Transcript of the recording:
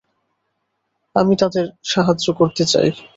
আমি তাদের সাহায্য করতে চাই!